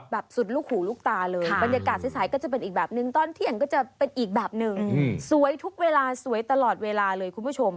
แบบสุดลูกหูลูกตาเลยบรรยากาศใสก็จะเป็นอีกแบบนึงตอนเที่ยงก็จะเป็นอีกแบบหนึ่งสวยทุกเวลาสวยตลอดเวลาเลยคุณผู้ชม